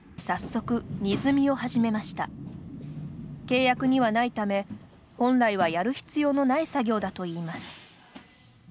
契約にはないため、本来はやる必要のない作業だといいます。